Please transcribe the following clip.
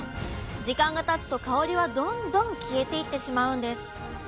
時間がたつと香りはどんどん消えていってしまうんです